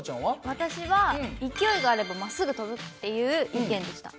私は勢いがあればまっすぐ飛ぶっていう意見でした。